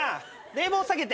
冷房下げて。